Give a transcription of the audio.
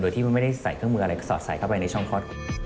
โดยที่ไม่ได้ใส่เครื่องมืออะไรสอดใส่เข้าไปในช่องคลอดบุตร